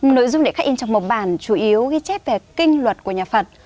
nội dung để khách in trong mộc bản chủ yếu ghi chép về kinh luật của nhà phật